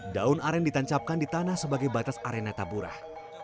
daun aren ditancapkan di tanah sebagai batas arena taburah